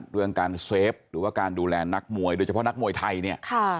เรื่องการเซฟหรือว่าการดูแลนักมวยโดยเฉพาะนักมวยไทยเนี่ย